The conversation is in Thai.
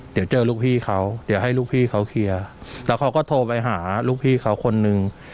เดี๋ยวเจอลูกพี่เขาเดี๋ยวให้ลูกพี่เขาเคลียร์แล้วเขาก็โทรไปหาลูกพี่เขาคนนึง